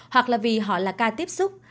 hoặc là vì họ là ca tiếp xúc